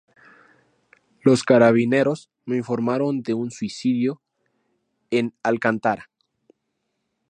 Los carabineros me informaron de un suicidio en Alcántara.